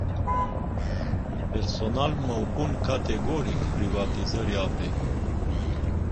Personal mă opun categoric privatizării apei.